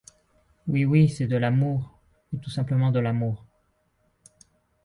Oui, oui, c'est de l'amour, mais tout simplement de l'amour.